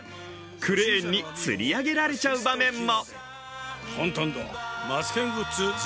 クレーンにつり上げられちゃう場面も。